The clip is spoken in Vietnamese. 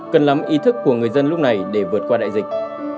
cần lắm ý thức của người dân lúc này để vượt qua đại dịch